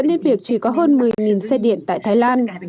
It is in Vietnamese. dẫn đến việc chỉ có hơn một mươi xe điện tại thái lan